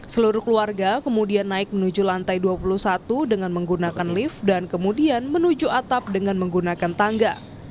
seluruh keluarga kemudian naik menuju lantai dua puluh satu dengan menggunakan lift dan kemudian menuju atap dengan menggunakan tangga